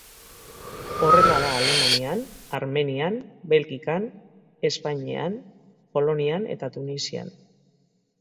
Horrela da Alemanian, Armenian, Belgikan, Espainian, Polonian eta Tunisian.